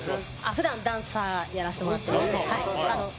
普段ダンサーをやらせてもらっています。